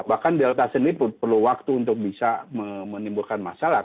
bahkan delta sendiri perlu waktu untuk bisa menimbulkan masalah